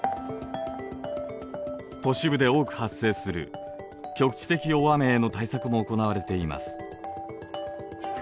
都市部で多く発生する局地的大雨への対策も行われています。